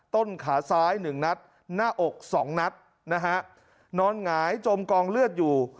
ต้นขาซ้ายหนึ่งนัดหน้าอกสองนัดนะฮะนอนหงายจมกองเลือดอยู่